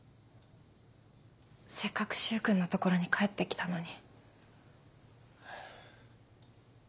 せっかく柊君のところに帰って来たのに。